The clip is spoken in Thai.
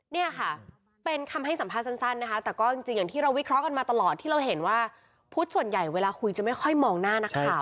เนี่ยค่ะเป็นคำให้สัมภาษณ์สั้นนะคะแต่ก็จริงอย่างที่เราวิเคราะห์กันมาตลอดที่เราเห็นว่าพุทธส่วนใหญ่เวลาคุยจะไม่ค่อยมองหน้านักข่าว